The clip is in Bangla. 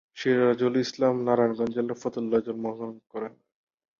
সিরাজুল ইসলাম নারায়ণগঞ্জ জেলার ফতুল্লায় জন্মগ্রহণ করেন।